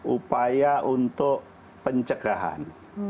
upaya untuk pencegahan